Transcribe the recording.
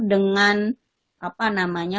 dengan apa namanya